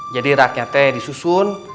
jadi raknya disusun